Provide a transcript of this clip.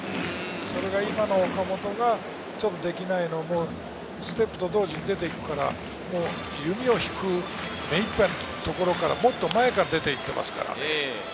それが今の岡本はできないのがステップと同時に出て行くから、弓を引く、目いっぱいのところからもっと前から出て行っています。